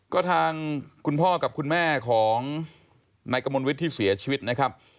ก็ทางคุณพ่อกับคุณแม่ของนายกมลวิทย์ที่เสียชีวิตนะครับ